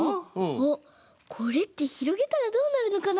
あっこれってひろげたらどうなるのかな？